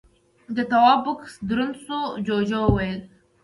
د تواب بکس دروند شو، جُوجُو وويل: